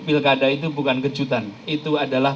pilkada itu bukan kejutan itu adalah